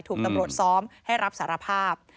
ถูกตำรวจซ้อมให้รับสารภาพ